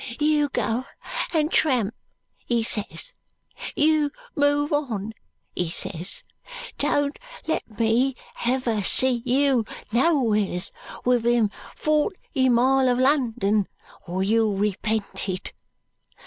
You go and tramp,' he ses. 'You move on,' he ses. 'Don't let me ever see you nowheres within forty mile of London, or you'll repent it.'